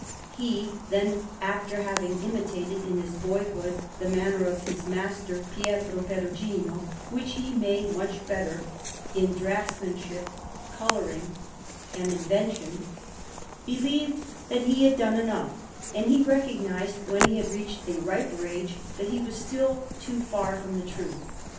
He, then, after having imitated in his boyhood the manner of his master, Pietro Perugino, which he made much better in draughtsmanship, colouring, and invention, believed that he had done enough; but he recognized, when he had reached a riper age, that he was still too far from the truth.